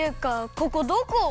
ここどこ！？